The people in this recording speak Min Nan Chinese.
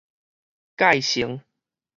概成